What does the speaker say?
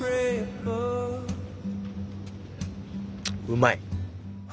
うまい！